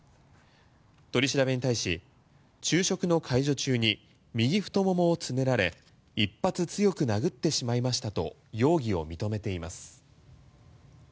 取り調べに対し、昼食の介助中に右太ももをつねられ一発強く殴ってしまいましたと容疑を認めています。